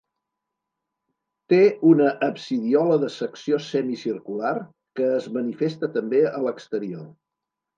Té una absidiola de secció semicircular, que es manifesta també a l'exterior.